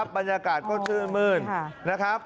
บรรยากาศก็ชื่อมืน